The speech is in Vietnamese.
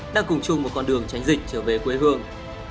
đang cùng chung một con đường tránh dịch trở về quê hương